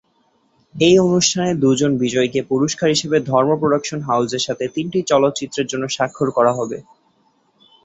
এই অনুষ্ঠানের দুজন বিজয়ীকে পুরস্কার হিসেবে ধর্ম প্রোডাকশন হাউসের সাথে তিনটি চলচ্চিত্রের জন্য স্বাক্ষর করা হবে।